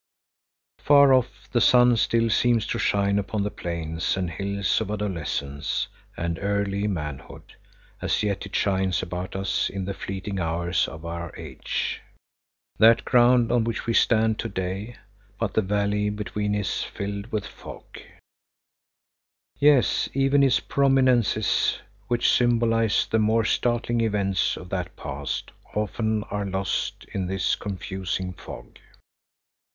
Far off the sun still seems to shine upon the plains and hills of adolescence and early manhood, as yet it shines about us in the fleeting hours of our age, that ground on which we stand to day, but the valley between is filled with fog. Yes, even its prominences, which symbolise the more startling events of that past, often are lost in this confusing fog.